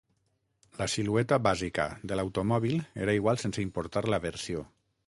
La silueta bàsica de l'automòbil era igual sense importar la versió.